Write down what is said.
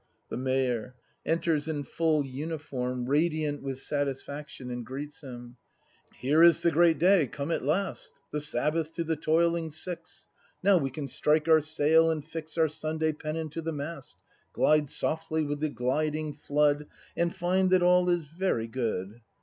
The Mayor. \Enters in full uniform, radiant loiih satisfaction, and greets him.] Here is the great day come at last. The Sabbath to the toiling six; Now we can strike our sail, and fix Our Sunday pennon to the mast. Glide softly with the gliding flood And find that all is very good.